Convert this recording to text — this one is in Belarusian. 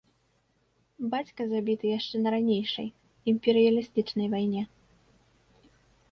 Бацька забіты яшчэ на ранейшай, імперыялістычнай, вайне.